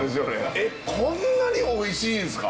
えっこんなにおいしいんすか。